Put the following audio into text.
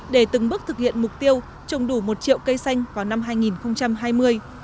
để từng bước thực hiện mục tiêu trồng đủ một triệu cây xanh vào năm hai nghìn hai mươi